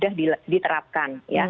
selama ini sudah diterapkan